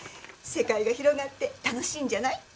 世界が広がって楽しいんじゃない？